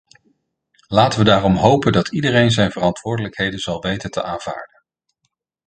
Laten we daarom hopen dat iedereen zijn verantwoordelijkheden zal weten te aanvaarden.